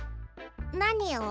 なにを？